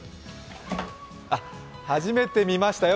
初めて見ましたよ！